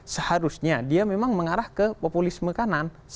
seharusnya dia memang mengarah ke populisme kanan